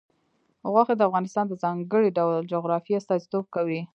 غوښې د افغانستان د ځانګړي ډول جغرافیه استازیتوب کوي.